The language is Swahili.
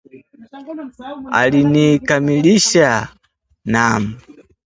Alinikamilikisha! Naam